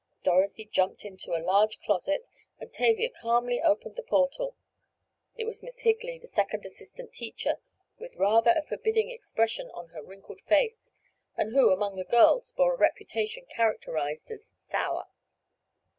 Dorothy jumped into a large closet and Tavia calmly opened the portal. It was Miss Higley, the second assistant teacher, with rather a forbidding expression on her wrinkled face, and who, among the girls, bore a reputation characterized as "sour."